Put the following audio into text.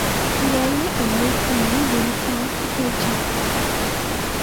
P I A عملے کے نئے یونیفارم کی ایک جھلک